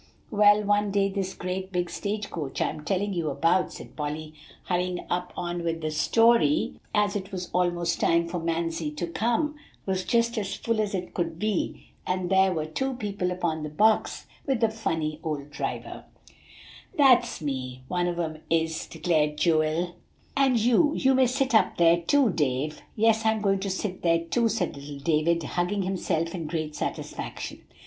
"Well, one day this great big stage coach I'm telling you about," said Polly, hurrying on with the story, as it was almost time for Mamsie to come, "was just as full as it could be, and there were two people upon the box with the funny old driver." [Illustration: The old stage coach.] "That's me one of 'em is," declared Joel; "and you you may sit up there too, Dave." "Yes, I'm going to sit there too," said little David, hugging himself in great satisfaction.